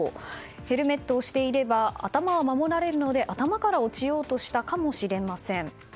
ヘルメットをしていれば頭は守られるので頭から落ちようとしたかもしれません。